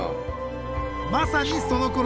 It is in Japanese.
まさにそのころ